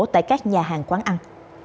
tại các nhà hàng quán ăn